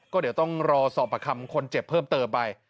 ก็เดี๋ยวต้องรอสอบประคำคนเจ็บเพิ่มเติมไป